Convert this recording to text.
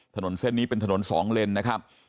ถนนเส้นนี้เป็นถนน๒เลนนะครับ